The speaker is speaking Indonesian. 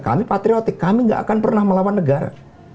kami patriotik kami gak akan pernah melawan negara